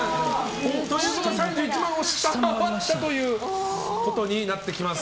３１万円です。ということは３１万を下回ったということになってきます。